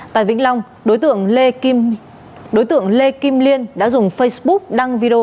tại vĩnh long đối tượng lê kim liên đã dùng facebook đăng video